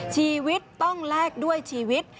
ชีวิตต้องแลกด้วยชีวิต